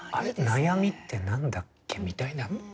悩みって何だっけ」みたいな。